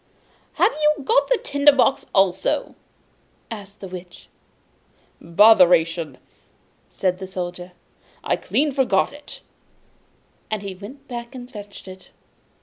'Have you got the tinder box also?' asked the Witch. 'Botheration!' said the Soldier, 'I had clean forgotten it!' And then he went back and fetched it.